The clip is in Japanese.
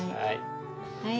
はい。